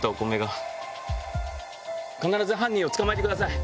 必ず犯人を捕まえてください